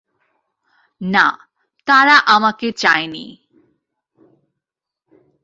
না, তারা আমাকে চায়নি।